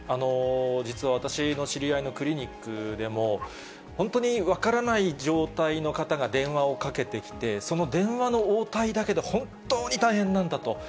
実は私の知り合いのクリニックでも、本当に分からない状態の方が電話をかけてきて、その電話の応対だけで本当に大変なんだと。